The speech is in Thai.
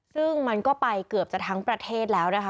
ซึ่งมันก็ไปเกือบจะทั้งประเทศแล้วนะคะ